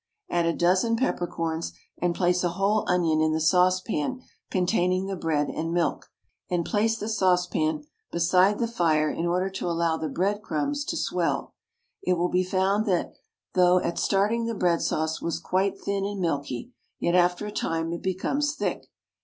Add a dozen peppercorns, and place a whole onion in the saucepan containing the bread and milk, and place the saucepan beside the fire in order to allow the bread crumbs to swell. It will be found that though at starting the bread sauce was quite thin and milky, yet after a time it becomes thick.